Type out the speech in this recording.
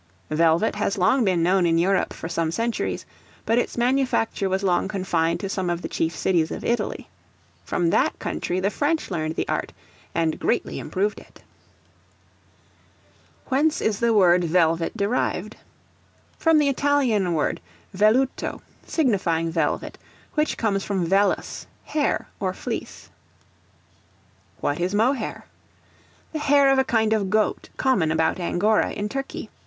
Velvet has been known in Europe for some centuries, but its manufacture was long confined to some of the chief cities of Italy. From that country the French learned the art, and greatly improved it. Whence is the word Velvet derived? From the Italian word velluto, signifying velvet, which comes from vellus, hair or fleece. What is Mohair? The hair of a kind of goat, common about Angora, in Turkey.